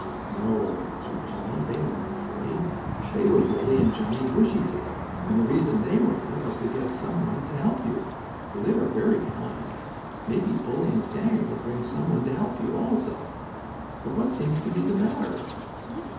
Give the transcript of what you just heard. "No," answered Jimmie, "they weren't afraid. They were Billie and Johnnie Bushytail, and the reason they ran was to get some one to help you, for they are very kind. Maybe Bully and Sammie will bring some one to help you, also. But what seems to be the matter?"